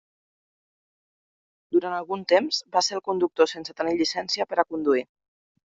Durant algun temps, va ser el conductor sense tenir llicència per a conduir.